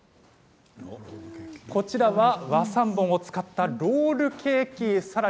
こちらは和三盆を使ったロールケーキです。